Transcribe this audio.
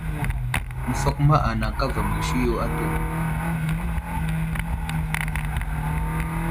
Nəfakuma nanay kava musi yo atu.